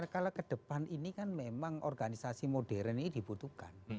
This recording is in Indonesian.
kalau kedepan ini kan memang organisasi modern ini dibutuhkan